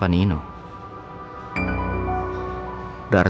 kasih tuhan dort rebuild max